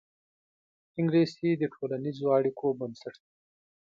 انګلیسي د ټولنیزو اړیکو بنسټ دی